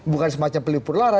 bukan semacam pelipur lara